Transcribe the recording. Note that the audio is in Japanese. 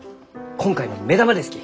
今回の目玉ですき！